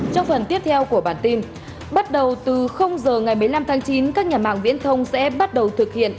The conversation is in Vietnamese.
trong phần tiếp theo của bản tin bắt đầu từ giờ ngày một mươi năm tháng chín các nhà mạng viễn thông sẽ bắt đầu thực hiện